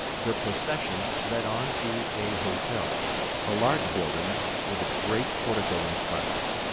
The procession led on to a hotel, a large building with a great portico in front.